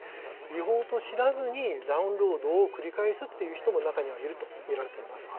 違法と知らずに、ダウンロードを繰り返すっていう人も、中にはいると見られています。